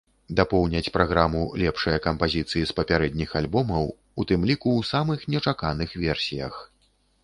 Дапоўняць праграму лепшыя кампазіцыі з папярэдніх альбомаў, у тым ліку ў самых нечаканых версіях.